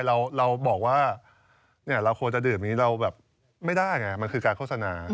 เราบอกว่าเราควรจะดื่มแล้วไปไม่ได้ไงมันคือการโฆษณา